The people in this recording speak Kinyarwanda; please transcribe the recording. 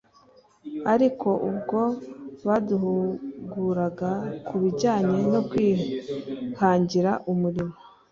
ariko ubwo baduhuguraga ku bijyanye no kwihangira umurimo